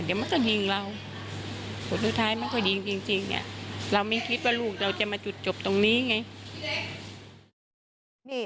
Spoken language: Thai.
แม่บอกแบบนี้อันนี้ในมุมของแม่ผู้ตายนะคะคุณผู้ชมทีนี้ตำรวจเนี่ยก็จะมาจุดจบตรงนี้ไง